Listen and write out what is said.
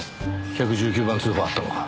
１１９番通報あったのか。